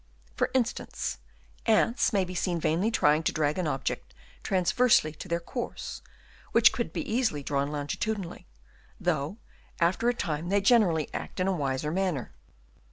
For instance, ants may be seen vainly trying to drag an object transversely to their course, which could be easily drawn longi tudinally; though after a time they gener ally act in a wiser mauner.